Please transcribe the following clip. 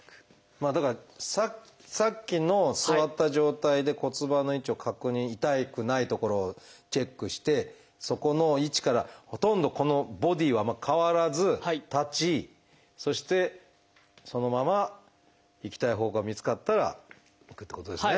まあだからさっきの座った状態で骨盤の位置を確認痛くない所をチェックしてそこの位置からほとんどこのボディーは変わらず立ちそしてそのまま行きたい方向が見つかったら行くってことですね。